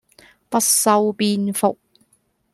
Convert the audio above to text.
不修邊幅